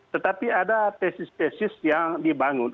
tetapi ada tesis tesis yang dibangun